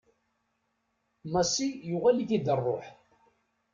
Massi yuɣal-it-id rruḥ.